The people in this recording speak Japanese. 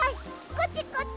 こっちこっち。